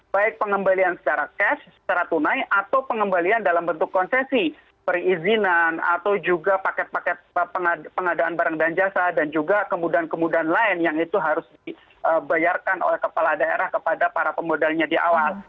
baik pengembalian secara cash secara tunai atau pengembalian dalam bentuk konsesi perizinan atau juga paket paket pengadaan barang dan jasa dan juga kemudahan kemudahan lain yang itu harus dibayarkan oleh kepala daerah kepada para pemodalnya di awal